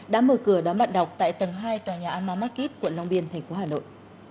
đã mở cửa đám bản đọc tại tầng hai tòa nhà anma market quận long biên thành phố hà nội